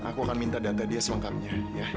aku akan minta data dia selengkapnya